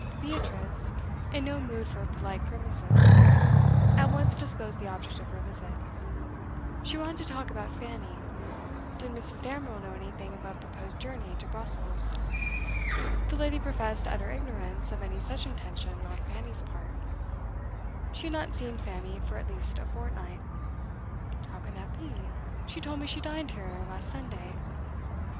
Beatrice, in no mood for polite grimaces, at once disclosed the object of her visit; she wanted to talk about Fanny; did Mrs. Damerel know anything of a proposed journey to Brussels? The lady professed utter ignorance of any such intention on Fanny's part. She had not seen Fanny for at least a fortnight. 'How can that be? She told me she dined here last Sunday.